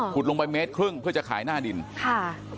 ลงไปเมตรครึ่งเพื่อจะขายหน้าดินค่ะ